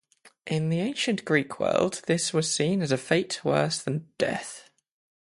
In the ancient Greek world, this was seen as a fate worse than death.